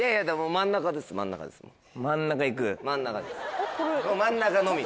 真ん中です真ん中のみ。